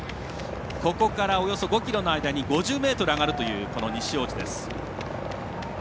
ここからおよそ５ｋｍの間に５０ｍ上がるという西大路です。